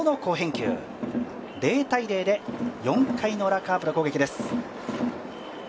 ０−０で４回のウラ、カープの攻撃です。